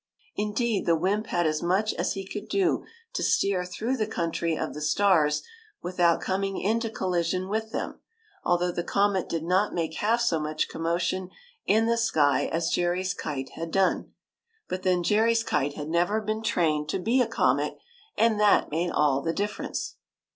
Indeed, the wymp had as much as he could do to steer through the country of the stars without coming into collision with them, although the comet did not make half so much commotion in the sky as Jerry's kite had done. But then, Jerry s kite had never been trained to be a comet, and that made all the difference.